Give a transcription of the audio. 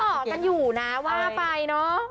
นางก็เหมาะกันอยู่นะว่าไปเนาะ